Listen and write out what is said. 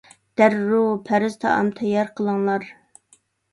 دەررۇ پەرھىز تائام تەييار قىلىڭلار!